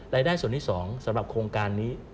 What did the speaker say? รายได้ส่วนที่๒สำหรับโครงการนี้